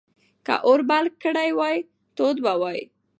که اور بل کړی وای، تود به وای.